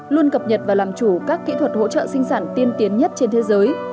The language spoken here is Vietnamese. luôn cập nhật và làm chủ các kỹ thuật hỗ trợ sinh sản tiên tiến nhất trên thế giới